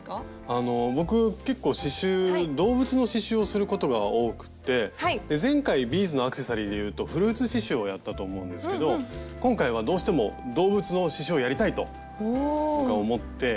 あの僕結構刺しゅう動物の刺しゅうをすることが多くってで前回ビーズのアクセサリーでいうと「フルーツ刺しゅう」をやったと思うんですけど今回はどうしても動物の刺しゅうをやりたいと僕は思って。